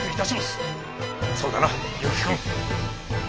そうだな結城君。